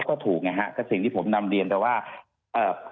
ก็ถูกไงฮะกับสิ่งที่ผมนำเรียนใช่ไหมครับ